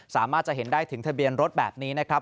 สามารถจะเห็นได้ถึงทะเบียนรถแบบนี้นะครับ